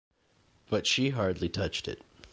But she hardly touched it.